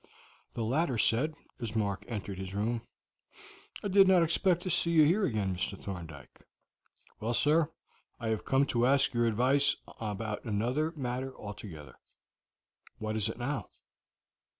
The latter said, as Mark entered his room: "I did not expect to see you here again, Mr. Thorndyke." "Well, sir, I have come to ask your' advice about another matter altogether." "What is it now?"